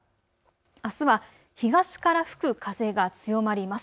あすは東から吹く風が強まります。